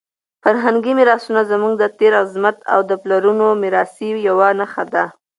فرهنګي میراثونه زموږ د تېر عظمت او د پلرونو د مېړانې یوه نښه ده.